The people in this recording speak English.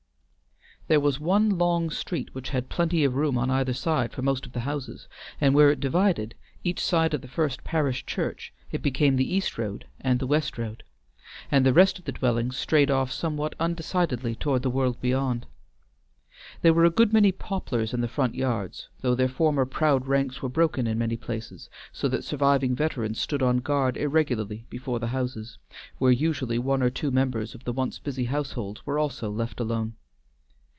There was one long street which had plenty of room on either side for most of the houses, and where it divided, each side of the First Parish Church, it became the East road and the West road, and the rest of the dwellings strayed off somewhat undecidedly toward the world beyond. There were a good many poplars in the front yards, though their former proud ranks were broken in many places, so that surviving veterans stood on guard irregularly before the houses, where usually one or two members of the once busy households were also left alone.